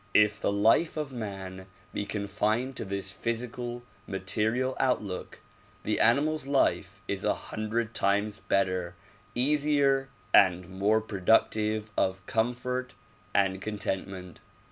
If the life of man be confined to this physical, material outlook the animal's life is a hundred times better, easier and more productive of comfort and contentment.